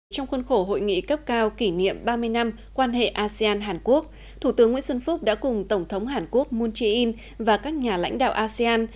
trong khuôn khổ hội nghị cấp cao kỷ niệm ba mươi năm quan hệ asean hàn quốc thủ tướng nguyễn xuân phúc đã cùng tổng thống hàn quốc moon jae in và các nhà lãnh đạo asean